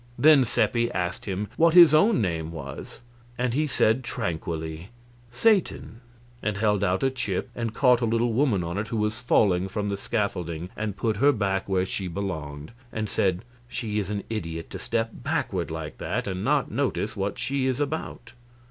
Then Seppi asked him what his own name was, and he said, tranquilly, "Satan," and held out a chip and caught a little woman on it who was falling from the scaffolding and put her back where she belonged, and said, "She is an idiot to step backward like that and not notice what she is about."